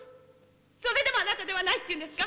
それでもあなたではないって言うんですか！